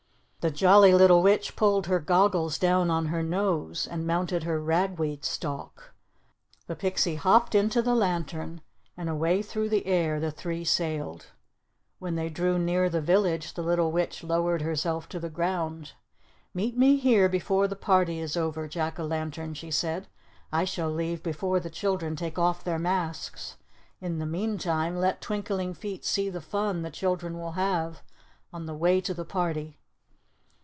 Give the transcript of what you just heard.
The Jolly Little Witch pulled her goggles down on her nose, and mounted her ragweed stalk. The pixie hopped into the lantern, and away through the air the three sailed. When they drew near the village, the little Witch lowered herself to the ground. "Meet me here before the party is over, Jack o' Lantern," she said. "I shall leave before the children take off their masks. In the meantime, let Twinkling Feet see the fun the children will have on the way to the party."